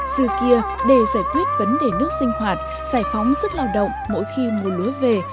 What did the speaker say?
xưa kia để giải quyết vấn đề nước sinh hoạt giải phóng sức lao động mỗi khi mùa lúa về